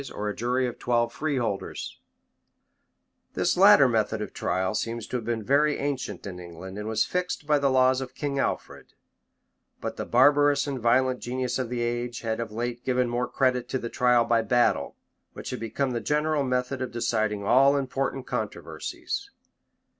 ii. cap. 7.] This latter method of trial seems to have been very ancient in England, and was fixed by the laws of King Alfred: but the barbarous and violent genius of the age had of late given more credit to the trial by battle, which had become the general method of deciding all important controversies.